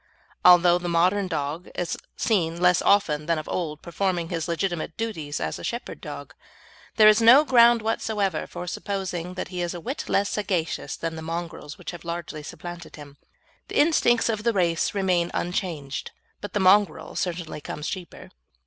Although the modern dog is seen less often than of old performing his legitimate duties as a shepherd dog, there is no ground whatever for supposing that he is a whit less sagacious than the mongrels which have largely supplanted him. The instincts of the race remain unchanged; but the mongrel certainly comes cheaper.